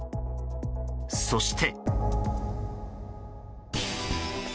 そして。